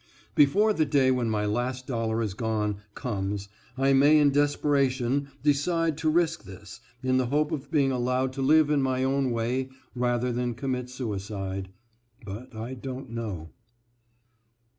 Before the day when my last dollar is gone comes I may in desperation [decide] to risk this, in the hope of being allowed to live in my own way rather than commit suicide, but I don't know.